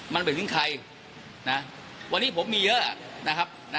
มันไปถึงใครนะวันนี้ผมมีเยอะนะครับ